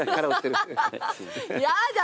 やだ